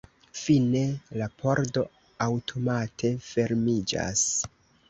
Fine la pordo aŭtomate fermiĝas.